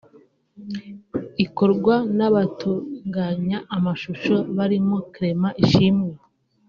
ikorwa n’abatunganya amashusho barimo Clement Ishimwe